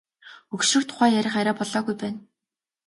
Хөгшрөх тухай ярих арай болоогүй байна.